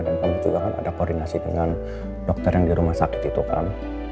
kami juga kan ada koordinasi dengan dokter yang di rumah sakit itu kan